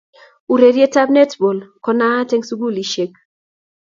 Urerietab netball ko naat eng sukulishek